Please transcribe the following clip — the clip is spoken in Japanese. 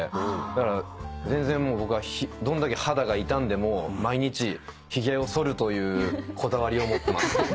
だから全然もう僕はどんだけ肌が傷んでも毎日ひげをそるというこだわりを持ってます。